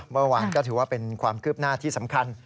เมื่อวานก็ถือว่าเป็นความคืบหน้าที่สำคัญ